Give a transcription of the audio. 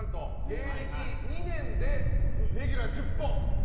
芸歴２年でレギュラー１０本！